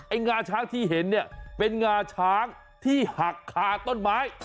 งาช้างที่เห็นเนี่ยเป็นงาช้างที่หักคาต้นไม้